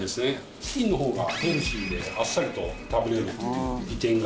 チキンの方がヘルシーであっさりと食べれるっていう利点がありますね。